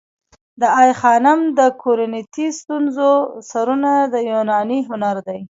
د آی خانم د کورینتی ستونو سرونه د یوناني هنر دي